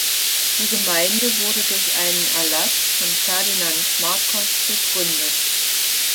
Die Gemeinde wurde durch einen Erlass von Ferdinand Marcos gegründet.